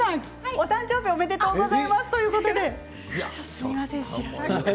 お誕生日おめでとうございますときています。